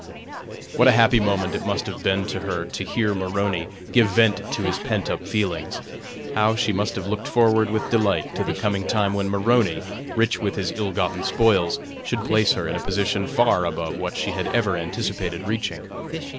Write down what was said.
What a happy moment it must have been to her to hear Maroney give vent to his pent up feelings! How she must have looked forward with delight to the coming time when Maroney, rich with his ill gotten spoils, should place her in a position far above what she had ever anticipated reaching!